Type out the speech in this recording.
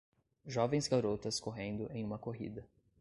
Jovens garotas correndo em uma corrida.